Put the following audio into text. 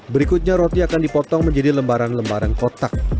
berikutnya roti akan dipotong menjadi lembaran lembaran kotak